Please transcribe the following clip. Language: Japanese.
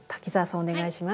お願いします。